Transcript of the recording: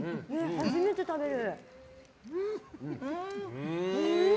初めて食べる。